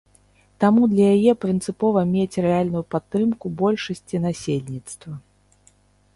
Таму для яе прынцыпова мець рэальную падтрымку большасці насельніцтва.